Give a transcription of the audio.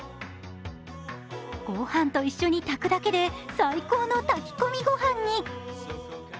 御飯と一緒に炊くだけで、最高の炊き込みご飯に。